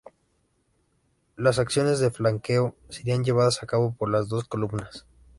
Las acciones de flanqueo serían llevadas a cabo por las dos columnas.